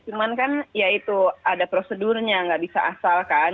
cuman kan ya itu ada prosedurnya gak bisa asalkan